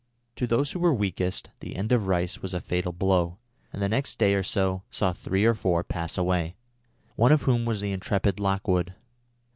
To those who were weakest the end of Rice was a fatal blow, and the next day or so saw three or four pass away, one of whom was the intrepid Lockwood.